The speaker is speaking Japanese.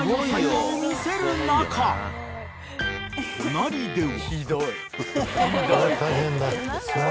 ［隣では］